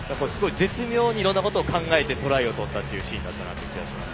絶妙にいろんなことを考えてトライを取ったシーンだった気がします。